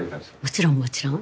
もちろんもちろん。